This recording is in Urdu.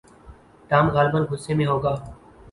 ٹام غالباً غصے میں ہوگا۔